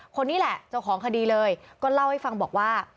คนนี้แหละเจ้าของคดีเลยก็เล่าให้ฟังบอกว่า